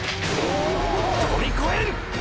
飛びこえる！！